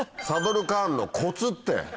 「サドルカーンのコツ」って。